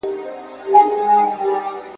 هندو زوړ سو مسلمان نه سو `